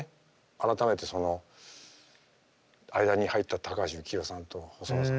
改めてその間に入った高橋幸宏さんと細野さんと。